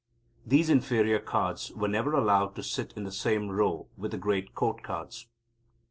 These inferior Cards were never allowed to sit in the same row with the great Court Cards.